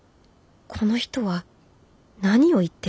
この人は何を言ってる？